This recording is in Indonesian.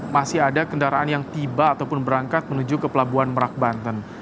masih ada kendaraan yang tiba ataupun berangkat menuju ke pelabuhan merak banten